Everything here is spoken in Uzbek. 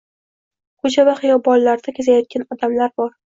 Ko’cha va xiyobonlarda kezayotgan odamlar bor.